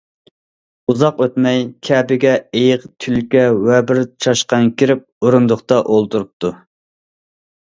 ئۇزاق ئۆتمەي كەپىگە ئېيىق، تۈلكە ۋە بىر چاشقان كىرىپ ئورۇندۇقتا ئولتۇرۇپتۇ.